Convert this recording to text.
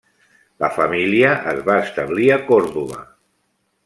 La família es va establir a Còrdova.